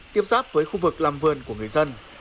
tiếp giáp với khu vực làm vườn của người dân